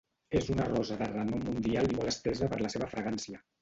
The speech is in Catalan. És una rosa de renom mundial i molt estesa per la seva fragància.